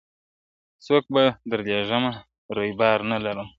څوک به در لیږمه رویبار نه لرم